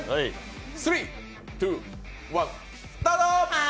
３、２、１、スタート！